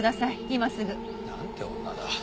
今すぐ。なんて女だ。